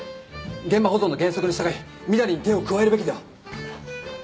現場保存の原則に従いみだりに手を加えるべきでは。